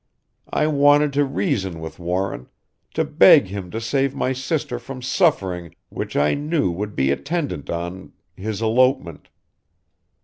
I wanted to reason with Warren; to beg him to save my sister from suffering which I knew would be attendant on his elopement.